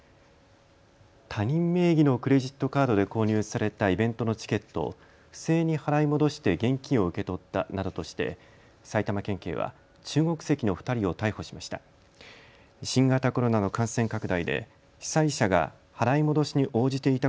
他人名義のクレジットカードで購入されたイベントのチケットを不正に払い戻して現金を受け取ったなどとして埼玉県警は中国籍の２人を逮捕しました。